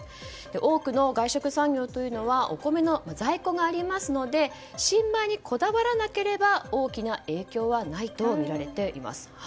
多くの外食産業というのはお米の在庫がありますので新米にこだわらなければ大きな影響はないとみられてます。